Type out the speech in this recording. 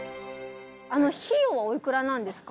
費用はおいくらなんですか？